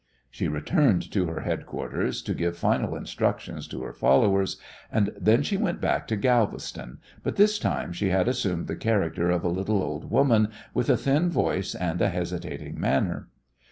She returned to her headquarters to give final instructions to her followers, and then she went back to Galveston, but this time she had assumed the character of a little old woman with a thin voice and a hesitating manner.